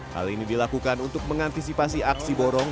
hal ini dilakukan untuk mengantisipasi aksi borong